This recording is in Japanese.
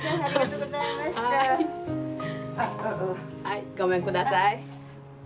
はいごめんください。